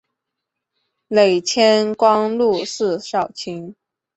累迁光禄寺少卿。